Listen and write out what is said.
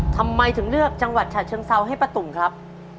ทำไมถึงเลือกจังหวัดฉะเชิงเซาให้ป้าตุ๋มครับ